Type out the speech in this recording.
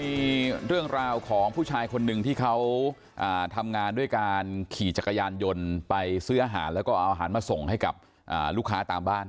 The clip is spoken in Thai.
มีเรื่องราวของผู้ชายคนหนึ่งที่เขาทำงานด้วยการขี่จักรยานยนต์ไปซื้ออาหารแล้วก็เอาอาหารมาส่งให้กับลูกค้าตามบ้าน